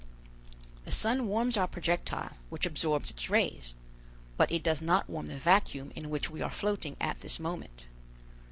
"The sun warms our projectile, which absorbs its rays; but it does not warm the vacuum in which we are floating at this moment.